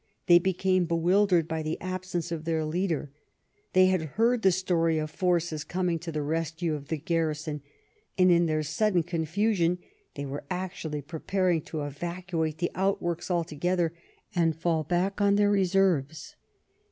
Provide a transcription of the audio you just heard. They became bewildered by the absence of their leader ; they had heard the story of forces coming to the rescue of the garrison, and in their sudden con fusion they were actually preparing to evacuate the outworks altogether and fall back on their reserves.